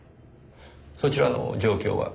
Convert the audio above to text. そちらの状況は？